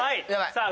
さあ